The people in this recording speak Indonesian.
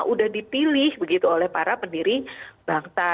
udah dipilih begitu oleh para pendiri bangsa